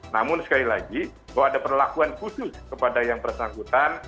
namun sekali lagi bahwa ada perlakuan khusus kepada yang bersangkutan